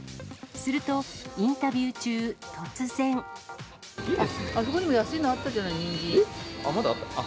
すると、インタビュー中、突然。あそこにも安いのあったじゃえっ、まだあった？